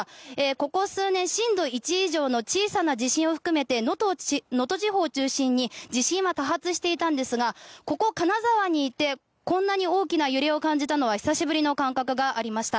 ここ数年、震度１以上の小さな地震を含めて能登地方を中心に地震は多発していたんですが金沢にいてこんなに大きな揺れを感じたのは久しぶりな感覚がありました。